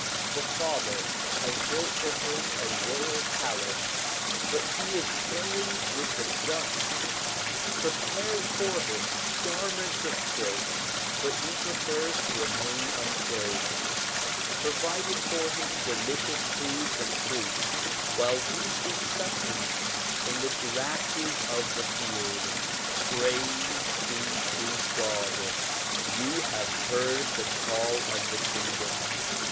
The Father has built for him a royal palace but he is playing with the dust ; prepared for him garments of silk but he prefers to remain unclothed ; provided for him delicious foods and fruits while he seeks sustenance in the grasses of the field. Praise be to God ! you have heard the call of the kingdom.